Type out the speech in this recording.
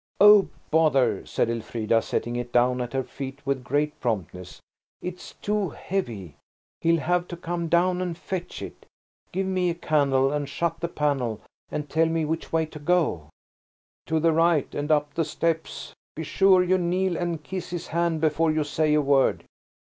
"Oh, bother," said Elfrida, setting it down at her feet with great promptness. "It's too heavy. He'll have to come down and fetch it. Give me a candle and shut the panel, and tell me which way to go." "To the right and up the steps. Be sure you kneel and kiss his hand before you say a word."